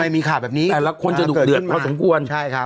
ไม่มีขาดแบบนี้แต่ละคนจะเดือกเดือกพอสมควรใช่ครับ